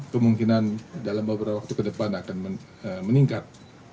kemungkinan dalam beberapa waktu ke depan akan meningkat